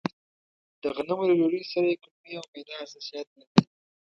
د غنمو له ډوډۍ سره يې کولمې او معده حساسيت لري.